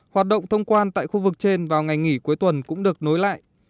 hoạt động thông quan tại khu vực trên vào ngày nghỉ cuối tuần cũng được nối lại